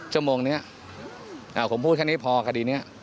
ชั่วโมงนี้ผมพูดแค่นี้พอคดีนี้